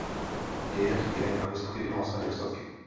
Je, jaký je, a bezpochyby má své nedostatky.